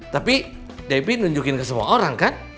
tapi devi nunjukin ke semua orang kan